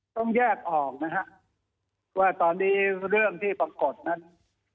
ต้องแยกออกนะฮะว่าตอนนี้เรื่องที่ปรากฏนั้น